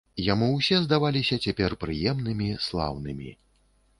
Яму ўсе здаваліся цяпер прыемнымі, слаўнымі.